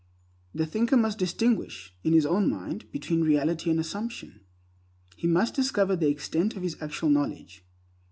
The thinker must distinguish, in his own mind, between reality and assumption. He must discover the extent of his actual knowledge.